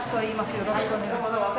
よろしくお願いします。